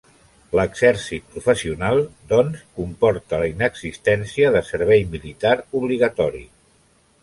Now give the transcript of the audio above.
L'exèrcit professional, doncs, comporta la inexistència de servei militar obligatori.